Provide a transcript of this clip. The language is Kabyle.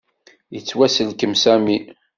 Yettwasselkem Sami.